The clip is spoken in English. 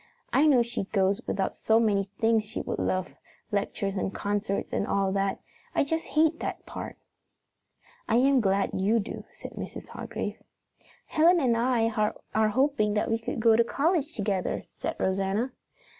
I know she goes without so many things she would love lectures and concerts and all that. I just hate that part!" "I am glad you do," said Mrs. Hargrave. "Helen and I are hoping that we can go to college together," said Rosanna.